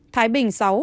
thái bình sáu